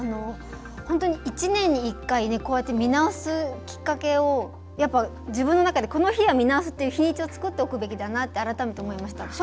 本当に１年に１回見直すきっかけを、自分の中でこの日は見直すという日にちを作っておくべきだなって改めて思いました。